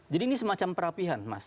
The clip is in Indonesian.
jadi ini semacam perapihan mas